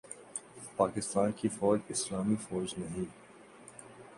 پاکستان کی فوج اسلامی فوج نہیں